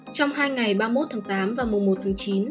trong hai ngày ba mươi một tháng tám và mùa một tháng chín